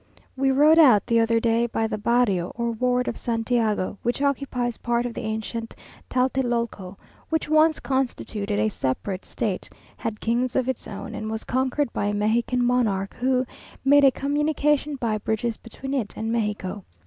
We rode out the other day by the barrio, or ward of Santiago, which occupies part of the ancient Tlatelolco, which once constituted a separate state, had kings of its own, and was conquered by a Mexican monarch, who made a communication by bridges between it and Mexico.